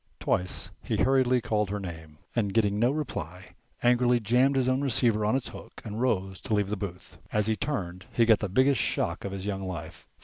Twice he hurriedly called her name, and, getting no reply, angrily jammed his own receiver on its hook and rose to leave the booth. As he turned he got the biggest shock of his young life.